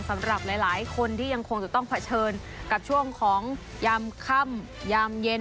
สำหรับหลายคนที่ยังคงจะต้องเผชิญกับช่วงของยามค่ำยามเย็น